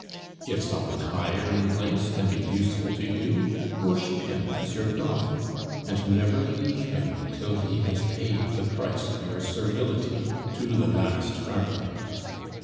If some one higher in place can be useful to you, worship him as your god; and never leave him until he has paid the price of your servility to the last farthing.